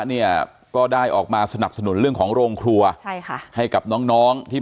เนี่ยก็ได้ออกมาสนับสนุนเรื่องของโรงครัวใช่ค่ะให้กับน้องน้องที่